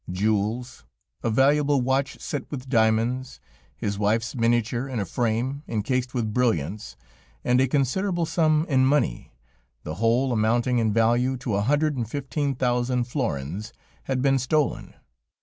Jewels, a valuable watch set with diamonds, his wife's miniature in a frame enchased with brilliants, and a considerable sum in money, the whole amounting in value to a hundred and fifteen thousand florins, had been stolen.